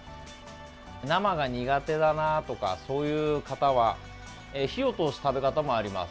生が苦手だなとかそういう方は火を通す食べ方もあります。